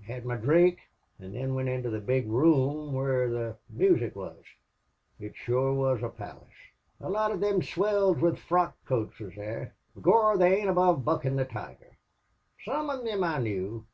I had my drink, an' thin went into the big room where the moosic wuz. It shure wuz a palace. A lot of thim swells with frock coats wuz there. B'gorra they ain't above buckin' the tiger. Some of thim I knew.